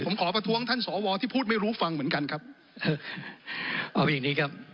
ผมขอประท้วงท่านสวที่พูดไม่รู้ฟังเหมือนกันครับเอาอย่างงี้ครับ